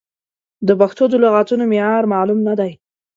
د پښتو د لغتونو معیار معلوم نه دی.